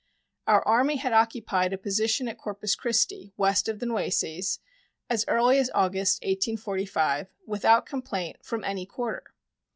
Our Army had occupied a position at Corpus Christi, west of the Nueces, as early as August, 1845, without complaint from any quarter.